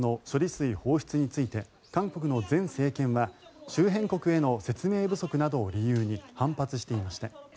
水放出について韓国の前政権は周辺国への説明不足などを理由に反発していました。